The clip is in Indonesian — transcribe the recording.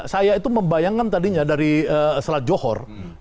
saya itu membayangkan tadinya dari selat johor